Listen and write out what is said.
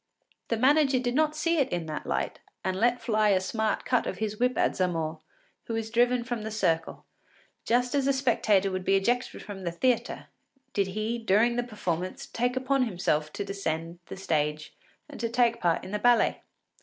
The manager did not see it in that light, and let fly a smart cut of his whip at Zamore, who was driven from the circle, just as a spectator would be ejected from the theatre did he, during the performance, take on himself to ascend to the stage and to take part in the ballet.